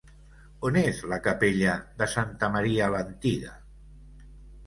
On és la capella de Santa Maria l'Antiga?